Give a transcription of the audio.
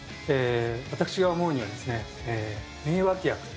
私が思うには、名脇役。